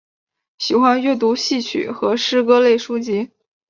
喜欢阅读戏曲与诗歌类书籍。